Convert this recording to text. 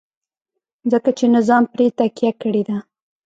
ځکه چې نظام پرې تکیه کړې ده.